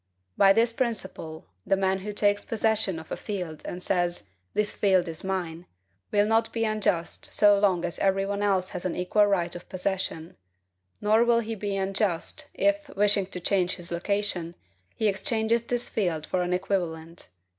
By this principle, the man who takes possession of a field, and says, "This field is mine," will not be unjust so long as every one else has an equal right of possession; nor will he be unjust, if, wishing to change his location, he exchanges this field for an equivalent.